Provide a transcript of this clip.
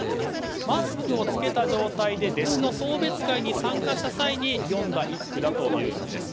マスクを着けた状態で弟子の送別会に参加した際に詠んだ一句だというんです。